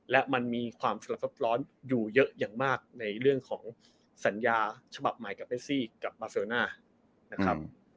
และมันมีความสลับซับร้อนอยู่เยอะอย่างมากในเรื่องของสัญญาฉบับใหม่กับเอสซี่กับบาเซลน่านะครับ